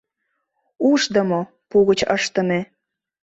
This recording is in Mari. Ушдымо, пу гыч ыштыме.